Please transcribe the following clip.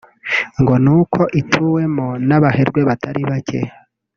ngo ni uko ituwemo n’abaherwe batari bake